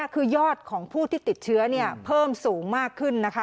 คือยอดของผู้ที่ติดเชื้อเพิ่มสูงมากขึ้นนะคะ